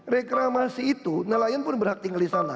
reklamasi itu nelayan pun berhak tinggal di sana